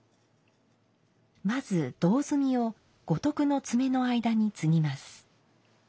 まず胴炭を五徳の爪の間につぎます。